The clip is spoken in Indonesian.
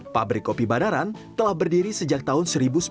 pabrik kopi banaran telah berdiri sejak tahun seribu sembilan ratus sembilan puluh